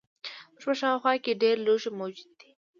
زموږ په شاوخوا کې ډیر لوښي موجود دي.